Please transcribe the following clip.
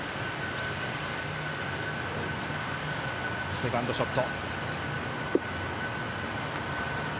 セカンドショット。